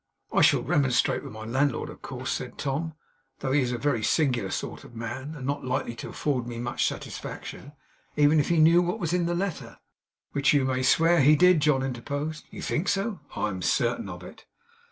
'I shall remonstrate with my landlord, of course,' said Tom; 'though he is a very singular secret sort of man, and not likely to afford me much satisfaction; even if he knew what was in the letter.' 'Which you may swear he did,' John interposed. 'You think so?' 'I am certain of it.